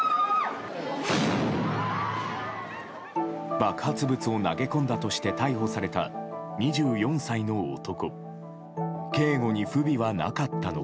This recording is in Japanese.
爆発物を投げ込んだとして逮捕された２４歳の男。